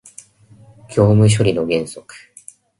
業務処理の原則